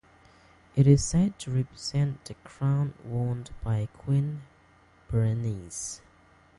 It is said to represent the crown worn by Queen Berenice.